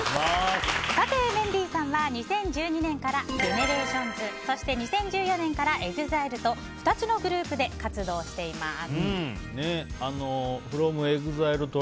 メンディーさんは２０１２年からＧＥＮＥＲＡＴＩＯＮＳそして２０１４年からＥＸＩＬＥと２つのグループで活動しています。